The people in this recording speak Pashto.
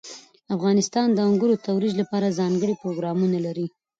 افغانستان د انګورو د ترویج لپاره ځانګړي پروګرامونه لري.